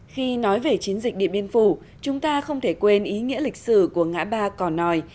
khi nói về chiến dịch điện biên phủ chúng ta không thể quên ý nghĩa lịch sử của ngã ba cỏ nòi